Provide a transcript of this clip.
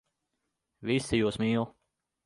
Visi jūs mīl.